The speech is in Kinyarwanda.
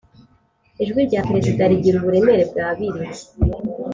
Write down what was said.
Ijwi rya perezida rigira uburemere bw abiri